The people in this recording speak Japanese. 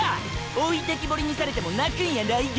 置いてきぼりにされても泣くんやないで。